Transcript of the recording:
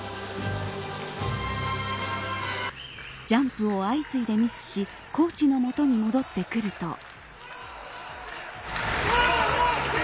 ジャンプを相次いでミスしコーチの元に戻ってくると。